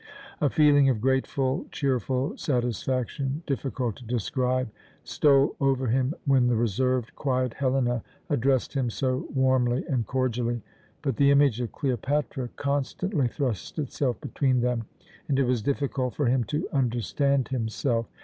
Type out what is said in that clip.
A feeling of grateful, cheerful satisfaction, difficult to describe, stole over him when the reserved, quiet Helena addressed him so warmly and cordially; but the image of Cleopatra constantly thrust itself between them, and it was difficult for him to understand himself.